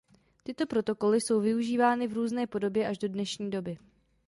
Tyto protokoly jsou využívány v různé podobě až do dnešní doby.